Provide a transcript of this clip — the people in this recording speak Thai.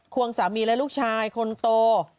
วงสามีและลูกชายคนโต